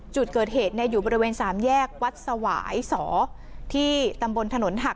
จุดเกิดเหตุอยู่บริเวณสามแยกวัดสวายสอที่ตำบลถนนหัก